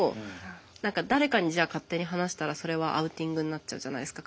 何か誰かにじゃあ勝手に話したらそれはアウティングになっちゃうじゃないですか。